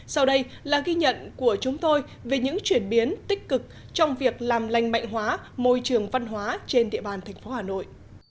sau đây là ghi nhận của chúng tôi về những chuyển biến tích cực trong việc làm lành mạnh hóa môi trường văn hóa trên địa bàn tp hà nội